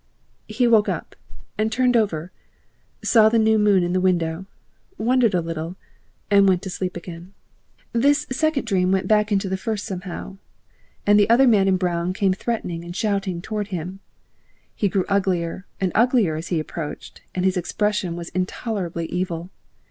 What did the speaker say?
He woke up, turned over, saw the new moon on the window, wondered a little, and went to sleep again. This second dream went back into the first somehow, and the other man in brown came threatening and shouting towards him. He grew uglier and uglier as he approached, and his expression was intolerably evil.